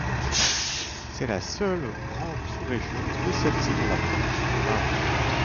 C'est la seule grande sous-région spécialisée dans la production de vin rouge.